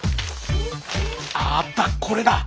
あっあったこれだ！